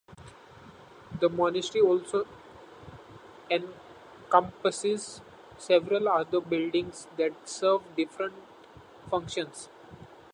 The monastery also encompasses several other buildings that served different functions.